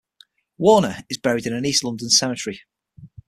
Warner is buried in East London Cemetery.